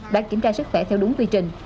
đã kiểm tra sức khỏe theo đúng tuy trình